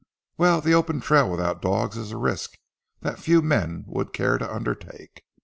"Well, the open trail without dogs is a risk that few men would care to undertake.